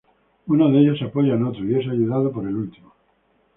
Uno de ellos se apoya en otro y es ayudado por el último.